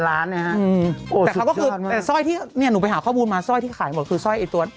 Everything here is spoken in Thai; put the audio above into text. แต่เขาก็คือแต่สร้อยที่เนี่ยหนูไปหาข้อมูลมาสร้อยที่ขายหมดคือสร้อยไอ้ตัว